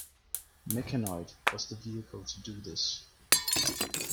Mechanoid was the vehicle to do this.